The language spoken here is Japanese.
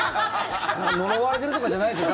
呪われてるとかじゃないですね？